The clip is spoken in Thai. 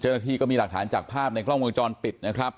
เจอที่ก็มีหลักฐานจากภาพในคล่องมูลจรปิดนะครับ